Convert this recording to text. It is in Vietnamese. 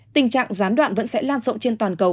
tình trạng gián đoạn vẫn sẽ lan rộng trên toàn cầu